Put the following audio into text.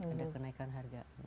ada kenaikan harga